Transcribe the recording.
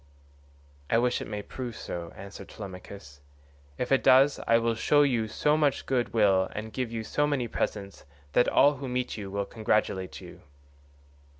"I wish it may prove so," answered Telemachus. "If it does, I will show you so much good will and give you so many presents that all who meet you will congratulate you."